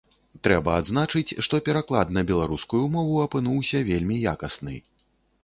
Трэба адзначыць, што пераклад на беларускую мову апынуўся вельмі якасны.